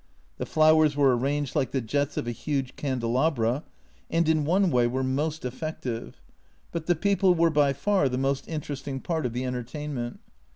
The flowers were arranged like the jets of a huge candelabra, and in one way were most effective, but the people were by far the most interesting part of the entertainment.